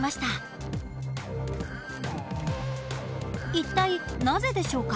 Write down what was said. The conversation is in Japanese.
一体なぜでしょうか？